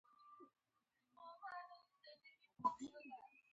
کوربه که غمجن وي، خندا نه پرېږدي.